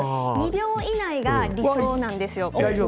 ２秒以内が理想なんですよ。